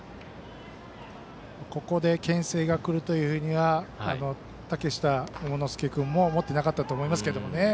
ここでけん制がくるというふうには嶽下桃之介君も思ってなかったと思いますが。